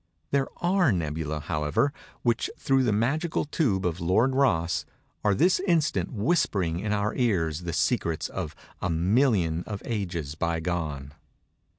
There are "nebulæ," however, which, through the magical tube of Lord Rosse, are this instant whispering in our ears the secrets of a million of ages by gone.